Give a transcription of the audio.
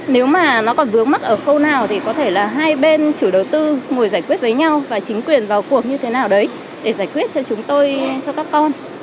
nếu mà nó còn vướng mắt ở khâu nào thì có thể là hai bên chủ đầu tư ngồi giải quyết với nhau và chính quyền vào cuộc như thế nào đấy để giải quyết cho chúng tôi cho các con